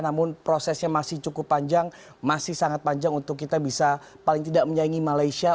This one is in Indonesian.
namun prosesnya masih cukup panjang masih sangat panjang untuk kita bisa paling tidak menyaingi malaysia